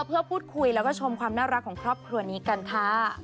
เพื่อพูดคุยแล้วก็ชมความน่ารักของครอบครัวนี้กันค่ะ